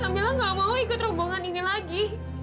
kak mila tidak mau ikut rombongan ini lagi